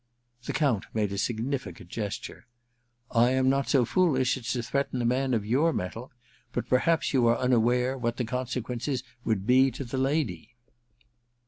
The Count made a significant gesture. ^I am not so foolish as to threaten a man of your mettle. But perhaps you are unaware what the consequences would be to the lady.